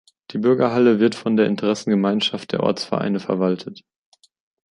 Die Bürgerhalle wird von der Interessengemeinschaft der Ortsvereine verwaltet.